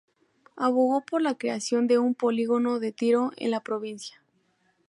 Abogó por la creación de un polígono de tiro en la provincia.